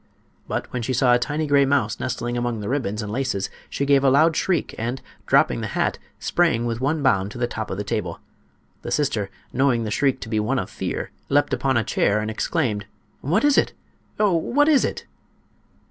But when she saw a tiny gray mouse nestling among the ribbons and laces she gave a loud shriek, and, dropping the hat, sprang with one bound to the top of the table. The sister, knowing the shriek to be one of fear, leaped upon a chair and exclaimed: "What is it? Oh! what is it?"